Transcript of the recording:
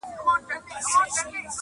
o حقيقت د سور تر شا ورک پاتې کيږي تل,